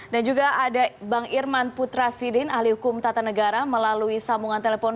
juga ada bang irman putra sidin ahli hukum tata negara melalui sambungan telepon